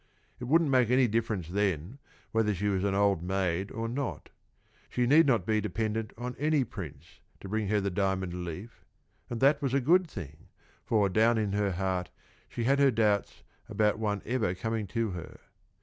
It wouldn't make any difference then whether she was an old maid or not. She need not be dependent on any prince to bring her the diamond leaf, and that was a good thing, for down in her heart she had her doubts about one ever coming to her.